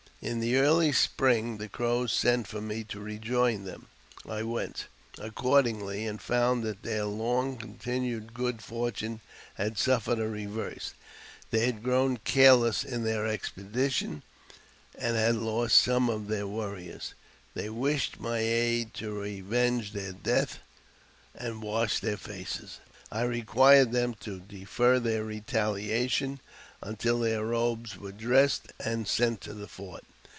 In the early spring the Crows sent for me to rejoin them. I went^ accordingly, and found that their long continued good fortune had suffered a reverse. They had grown careless in their ex d . I JAMES P. BECKWOUBTH. 307 peditions, and had lost some of their warriors. They wished fy aid to revenge their deaths and wash their faces. I required them to defer their retahation until their robes were dressed and sent to the fort.